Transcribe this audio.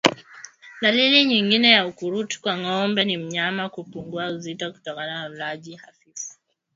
Dalili nyingine ya ukurutu kwa ngoombe ni mnyama kupungua uzito kutokana na ulaji hafifu